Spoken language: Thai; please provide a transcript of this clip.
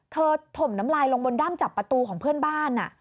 ถมน้ำลายลงบนด้ำจับประตูของเพื่อนบ้าน